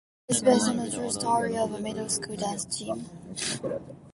It is based on a true story of a middle school dance team.